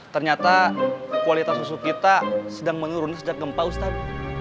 ternyata kualitas susu kita sedang menurun sedang gempa ustaz